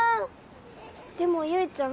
でも唯ちゃん